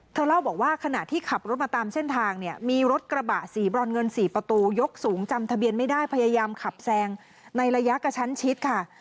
เล่าบอกว่าขณะที่ขับรถมาตามเส้นทางเนี่ยมีรถกระบะสีบรอนเงิน๔ประตูยกสูงจำทะเบียนไม่ได้พยายามขับแซงในระยะกระชั้นชิดค่ะ